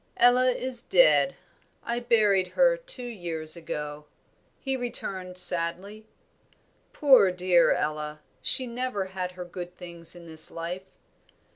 "Ella is dead. I buried her two years ago," he returned, sadly. "Poor dear Ella, she never had her good things in this life.